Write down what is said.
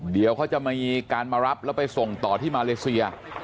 เดี๋ยวเขาจะมีการมารับแล้วไปส่งต่อที่มาเลเซีย